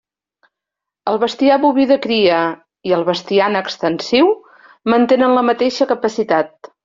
El bestiar boví de cria i el bestiar en extensiu mantenen la mateixa capacitat.